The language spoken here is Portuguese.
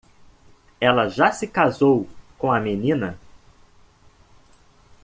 Ela já se casou com a menina?